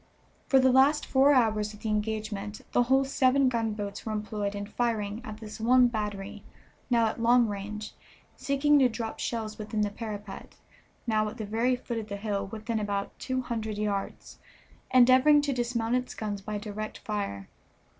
For the last four hours of the engagement the whole seven gunboats were employed in firing at this one battery, now at long range, seeking to drop shells within the parapet, now at the very foot of the hill, within about two hundred yards, endeavoring to dismount its guns by direct fire.